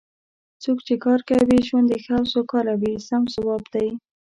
څوک چې کار کوي ژوند یې ښه او سوکاله وي سم ځواب دی.